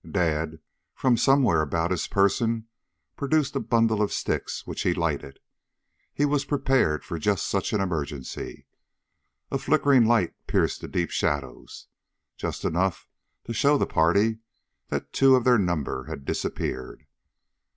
Dad, from somewhere about his person, produced a bundle of sticks which he lighted. He was prepared for just such an emergency. A flickering light pierced the deep shadows, just enough to show the party that two of their number had disappeared.